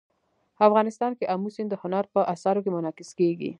افغانستان کې آمو سیند د هنر په اثار کې منعکس کېږي.